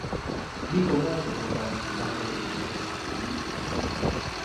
呢個 model 個髻扎到好似雀巢咁